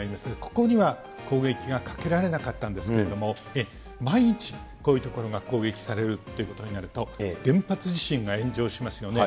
ここには攻撃がかけられなかったんですけれども、万一、こういう所が攻撃されるということになると、原発地震が炎上しますよね。